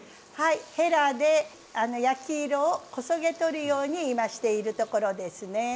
はいへらで焼き色をこそぎ取るように今しているところですね。